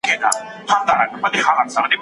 فکري ثبات څنګه ټولني ته سوله راوړلی سي؟